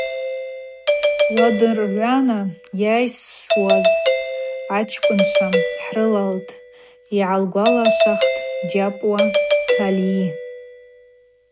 Уадыргӏвана йайсуаз ачкӏвынчва хӏрылалтӏ, – йгӏалгвалашвахитӏ Джьапуа Тальи.